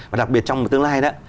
và đặc biệt trong tương lai đó